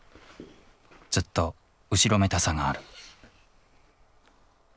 ずっと後ろめたさがある。